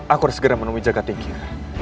aku sudah segera menemui jaga tinggir